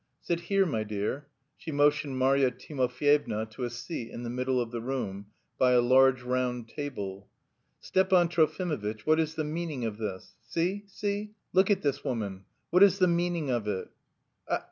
"Sit here, my dear." She motioned Marya Timofyevna to a seat in the middle of the room, by a large round table. "Stepan Trofimovitch, what is the meaning of this? See, see, look at this woman, what is the meaning of it?"